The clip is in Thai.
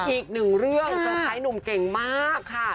อีกหนึ่งเรื่องก็ชายหนุ่มเก่งมากค่ะ